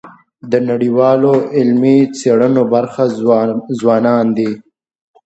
د نړیوالو علمي څېړنو برخه ځوانان دي.